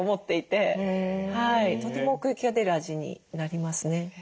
とても奥行きが出る味になりますね。